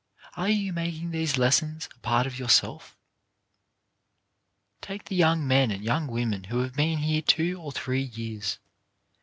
Are you making these lessons a part of yourself ? Take the young men and young women who have been here two or three years.